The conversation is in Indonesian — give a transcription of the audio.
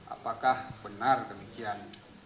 apakah benar demikian